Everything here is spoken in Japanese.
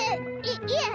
いいえ！